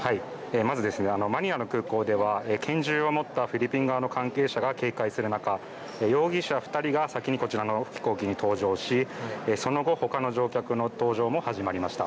まずマニラの空港では拳銃を持ったフィリピン側の関係者が警戒する中、容疑者２人が先にこちらの飛行機に搭乗しその後、ほかの乗客の搭乗も始まりました。